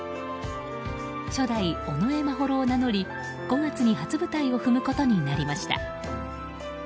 初代・尾上眞秀を名乗り５月に初舞台を踏むことになりました。